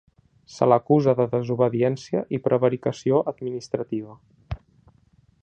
Se l’acusa de desobediència i prevaricació administrativa.